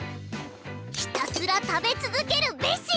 ひたすら食べ続けるべし！